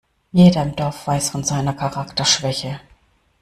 Jeder im Dorf weiß von seiner Charakterschwäche.